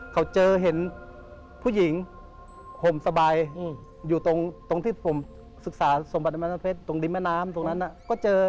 เขาเจอเห็นผู้หญิงห่มสบายอยู่ตรงที่ผมศึกษาสมบัติมันน้ำเพชรตรงริมแม่น้ำตรงนั้นก็เจอ